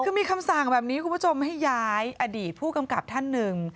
คือมีคำสั่งแบบนี้คุณผู้ชมให้ย้ายอดีตผู้กำกับท่านหนึ่ง